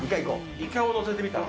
イカを載せてみたの。